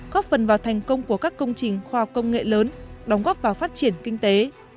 góp phần vào thành công của các công trình khoa học công nghệ lớn đóng góp vào phát triển kinh tế